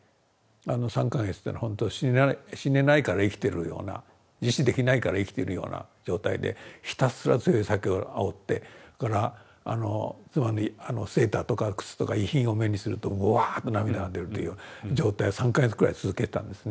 あの３か月というのはほんと死ねないから生きてるような自死できないから生きてるような状態でひたすら強い酒をあおってそれから妻のセーターとか靴とか遺品を目にするとうわっと涙が出るという状態を３か月くらい続けてたんですね。